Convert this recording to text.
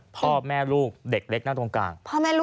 พ่อแม่ลูกเด็กเล็กนั่งตรงกลาง